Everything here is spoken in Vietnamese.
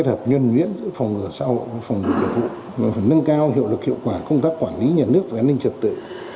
và phần nâng cao hiệu lực hiệu quả công tác quản lý nhà nước và an ninh trật tự